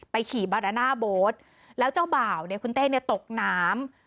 ขี่บาดาน่าโบ๊ทแล้วเจ้าบ่าวเนี่ยคุณเต้เนี่ยตกน้ำ